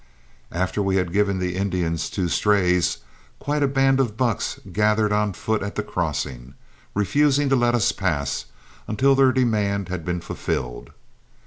After we had given the Indians two strays, quite a band of bucks gathered on foot at the crossing, refusing to let us pass until their demand had been fulfilled.